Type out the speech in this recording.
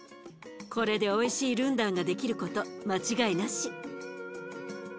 これでおいしいルンダンができること間違いなし！